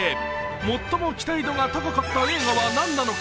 最も期待度が高かった映画は何なのか？